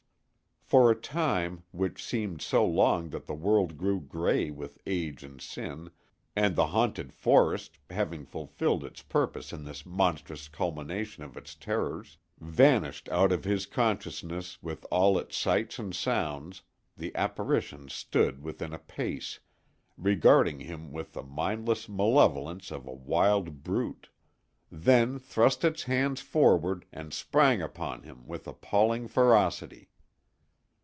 For a time, which seemed so long that the world grew gray with age and sin, and the haunted forest, having fulfilled its purpose in this monstrous culmination of its terrors, vanished out of his consciousness with all its sights and sounds, the apparition stood within a pace, regarding him with the mindless malevolence of a wild brute; then thrust its hands forward and sprang upon him with appalling ferocity!